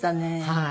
はい。